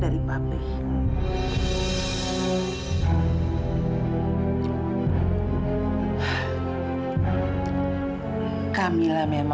yang mana kamu sedang ketemu